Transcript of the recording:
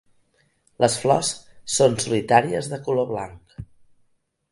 Les flors són solitàries de color blanc.